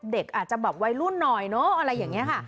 เด็กอาจจะแบบวัยรุ่นหน่อยเนอะอะไรอย่างนี้ค่ะ